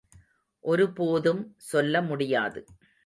ஒருபோதும் சொல்ல முடியாது.